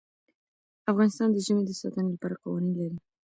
افغانستان د ژمی د ساتنې لپاره قوانین لري.